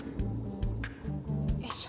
よいしょ。